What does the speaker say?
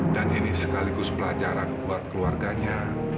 dan ini sekaligus pelajaran buat keluarganya